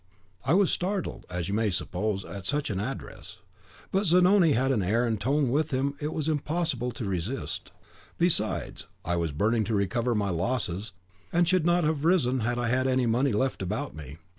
I was startled, as you may suppose, at such an address; but Zanoni had an air and tone with him it was impossible to resist; besides, I was burning to recover my losses, and should not have risen had I had any money left about me.